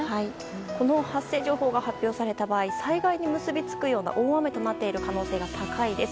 この発生情報が発表された場合災害に結びつくような大雨となっている可能性が高いです。